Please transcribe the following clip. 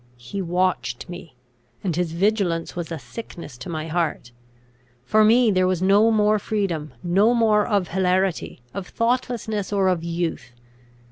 He watched me; and his vigilance was a sickness to my heart. For me there was no more freedom, no more of hilarity, of thoughtlessness, or of youth.